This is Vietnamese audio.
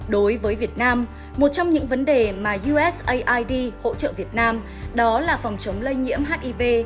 đối với việt nam một trong những vấn đề mà usaid hỗ trợ việt nam đó là phòng chống lây nhiễm hiv